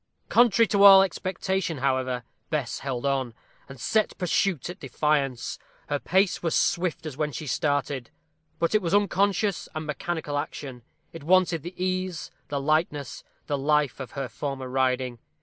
Contrary to all expectation, however, Bess held on, and set pursuit at defiance. Her pace was swift as when she started. But it was unconscious and mechanical action. It wanted the ease, the lightness, the life of her former riding.